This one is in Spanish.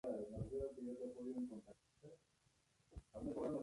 El Triángulo Minero tiene fuerte tendencia tecnológica.